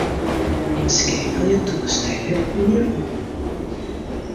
Skeakelje tûke stekker ien oan.